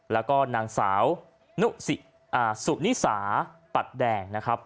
แล้วก็นางสาวสุนิสาปัดแดงนะครับ